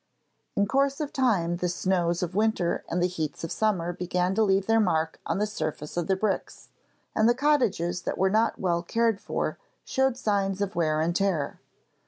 In course of time the snows of winter and the heats of summer began to leave their mark on the surface of the bricks, and the cottages that were not well cared for showed signs of wear and tear.